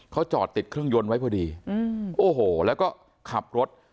เขาจอดติดเครื่องยนต์ไว้พอดีโอ้โหแล้วก็ขับรถ